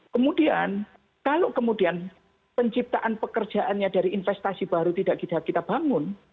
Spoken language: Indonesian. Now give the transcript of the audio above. kemudian kalau kemudian penciptaan pekerjaannya dari investasi baru tidak kita bangun